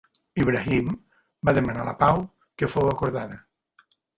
Ibrahim va demanar la pau que fou acordada.